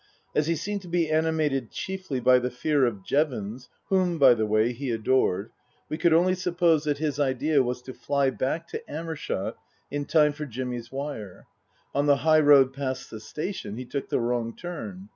As he seemed to be animated chiefly by the fear of Jevons (whom, by the way, he adored), we could only suppose that his idea was to fly back to Amershott in time for Jimmy's wire. On the high road past the station he took the wrong turn.